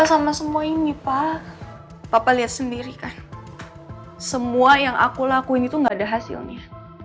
sama semua ini pak papa lihat sendiri kan semua yang aku lakuin itu enggak ada hasilnya